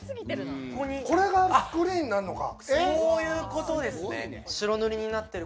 これがスクリーンになるのか。